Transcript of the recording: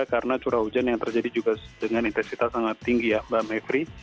karena suruh hujan yang terjadi juga dengan intensitas sangat tinggi ya mbak mepri